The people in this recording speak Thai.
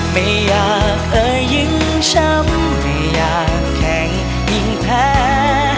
ไม่อยากเอ่ยยิ่งช้ำที่อยากแข็งยิ่งแพ้